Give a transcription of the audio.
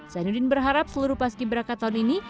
zainuddin berharap seluruh pas kibraka tahun ini